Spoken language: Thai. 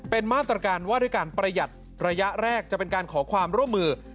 เป็นมาตรการว่าด้วยการประหยัดระยะแรกจะเป็นการขอความร่วมมือ